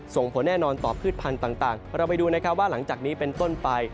ส่งผลแน่นอนต่อพืชพันธุ์ต่างเราไปดูนะครับว่าหลังจากนี้เป็นต้นไป